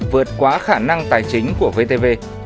vượt quá khả năng tài chính của vtv